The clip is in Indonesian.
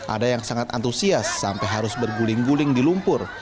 ada yang sangat antusias sampai harus berguling guling di lumpur